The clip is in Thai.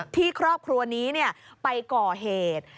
ครอบครัวนี้ไปก่อเหตุ